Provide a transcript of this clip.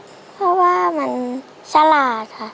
เพราะว่ามันฉลาดค่ะ